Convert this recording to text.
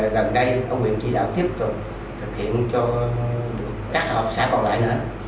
gần đây có quyền chỉ đạo tiếp tục thực hiện cho các hợp tác xã còn lại nữa